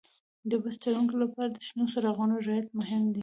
د بس چلوونکي لپاره د شنو څراغونو رعایت مهم دی.